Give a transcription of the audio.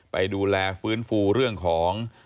ไปดูแลฟื้นฟูเรื่องของ